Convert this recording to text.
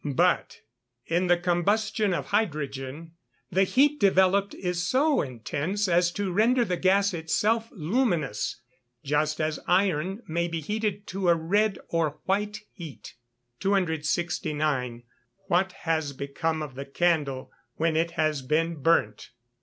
But in the combustion of hydrogen the heat developed is so intense as to render the gas itself luminous, just as iron may be heated to a red or white heat. 269. _What has become of the candle when it has been burnt?